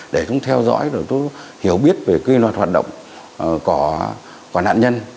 để chúng theo dõi rồi chúng hiểu biết về quy luật hoạt động của nạn nhân